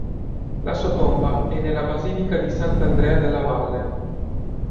La sua tomba è nella basilica di Sant'Andrea della Valle.